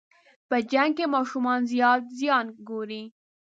په جنګ کې ماشومان زیات زیان ګوري.